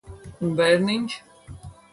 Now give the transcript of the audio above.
Un bērniņš?